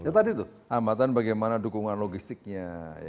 ya tadi tuh hambatan bagaimana dukungan logistiknya